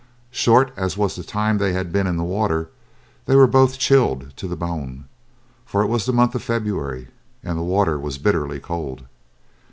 Short as was the time they had been in the water they were both chilled to the bone, for it was the month of February, and the water was bitterly cold.